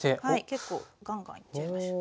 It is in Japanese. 結構ガンガンいっちゃいましょう。